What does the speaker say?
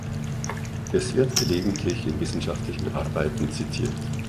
Es wird gelegentlich in wissenschaftlichen Arbeiten zitiert.